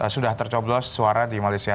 sudah tercoblos suara di malaysia